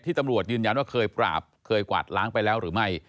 ตำรวจยืนยันว่าเคยปราบเคยกวาดล้างไปแล้วหรือไม่